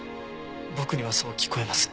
僕にはそう聞こえます。